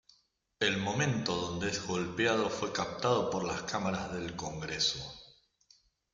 El momento donde es golpeado fue captado por las cámaras del Congreso.